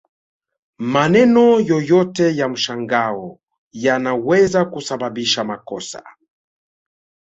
Maneno yoyote ya mshangao yanaweza kusababisha makosa